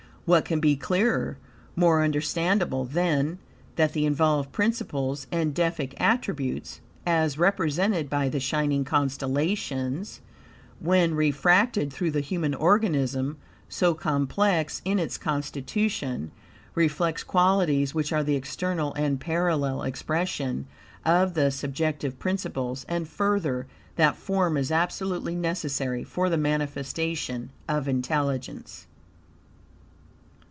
What can be clearer, more understandable, than, that the involved principles and Deific attributes, as represented by the shining constellations, when refracted through the human organism, so complex in its constitution, reflects qualities which are the external and parallel expression of the subjective principles, and, further, that form is absolutely necessary for the manifestation of intelligence?